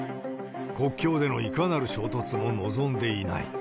国境でのいかなる衝突も望んでいない。